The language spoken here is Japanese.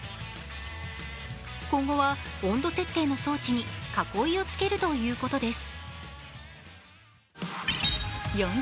今後は、温度設定の装置に囲いをつけるということです。